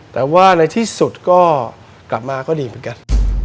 แต่ว่าในที่สุดก็กลับมาก็ดีเหมือนกัน